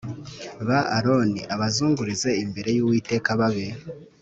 yabo Aroni abazungurize imbere y Uwiteka babe